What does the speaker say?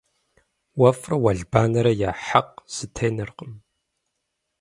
Уэфӏрэ уэлбанэрэ я хьэкъ зэтенэркъым.